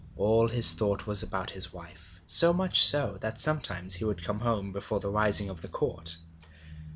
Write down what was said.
All his thought was about his wife, so much so that sometimes he would come home before the rising of the Court.